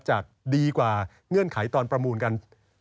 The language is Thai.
จากดีกว่าเงื่อนไขตอนประมูลกัน